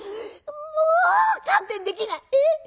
もう勘弁できない！